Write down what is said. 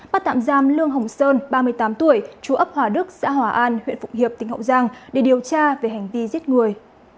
bắt tạm giam lương hồng sơn ba mươi tám tuổi chú ấp hòa đức xã hòa an huyện phụng hiệp tỉnh hậu giang để điều tra về hành vi giết người